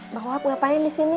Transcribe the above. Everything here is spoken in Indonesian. bang wahab ngapain di sini